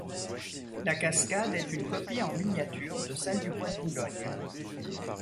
La cascade est une copie en miniature de celle du bois de Boulogne.